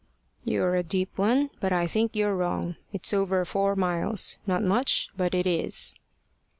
"You're a deep one. But I think you're wrong. It's over four miles not much, but it is."